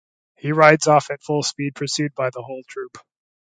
He rides off at full speed pursued by the whole troop.